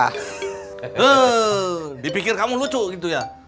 hah dipikir kamu lucu gitu ya